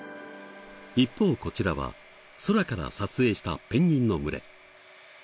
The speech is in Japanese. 一方こちらは空から撮影したペンギンの群れ。